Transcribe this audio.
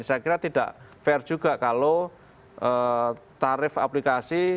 saya kira tidak fair juga kalau tarif aplikasi